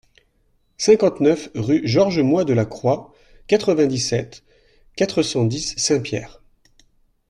cinquante-neuf rue Georges Moy de la Croix, quatre-vingt-dix-sept, quatre cent dix, Saint-Pierre